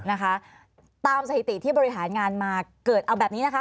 นะคะตามสถิติที่บริหารงานมาเกิดเอาแบบนี้นะคะ